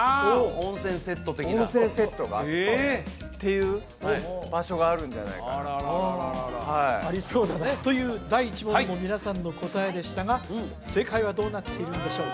温泉セットがあってっていう場所があるんじゃないかなってありそうだなという第１問の皆さんの答えでしたが正解はどうなっているんでしょう